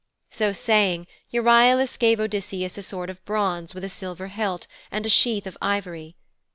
So saying, Euryalus gave Odysseus a sword of bronze with a silver hilt and a sheath of ivory.